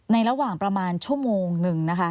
ระหว่างประมาณชั่วโมงนึงนะคะ